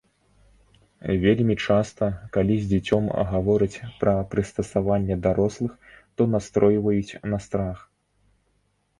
Вельмі часта, калі з дзіцем гавораць пра прыставанне дарослых, то настройваюць на страх.